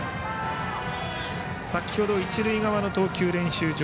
先程、一塁側の投球練習場。